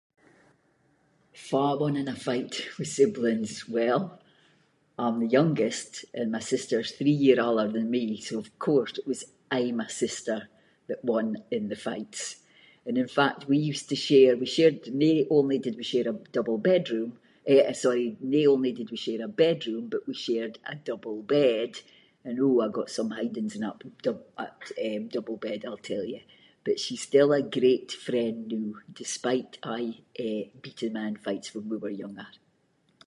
Fa won in a fight with siblings, well I’m the youngest, and my sister’s three year older than me, so of course it was aie my sister that won in the fights, and in fact we used to share- we shared- no only did we share a double bedroom, eh sorry, no only did we share a bedroom, but we shared a double bed, and oh I got some hidings in that [inc] that double bed I’ll tell you, but she’s still a great friend noo, despite aie, eh, beating me in fights when we were younger.